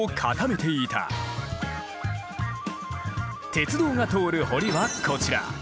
鉄道が通る堀はこちら。